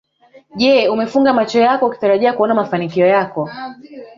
Je umefunga macho yako ukitarajia kuona mafanikio yako